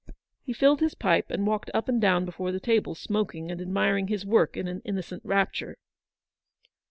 He filled his pipe and walked up and down before the table, smoking and admiring his work in an innocent rapture.